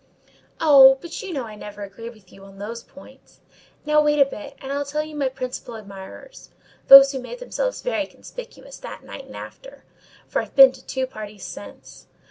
"Oh, but you know I never agree with you on those points. Now, wait a bit, and I'll tell you my principal admirers—those who made themselves very conspicuous that night and after: for I've been to two parties since.